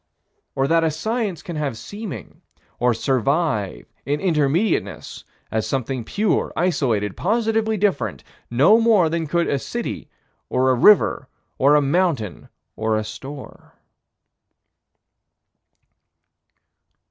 Or that a Science can have seeming, or survive in Intermediateness, as something pure, isolated, positively different, no more than could a river or a city or a mountain or a store.